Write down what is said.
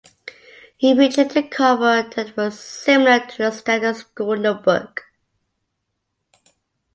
It featured a cover that was similar to the standard school notebook.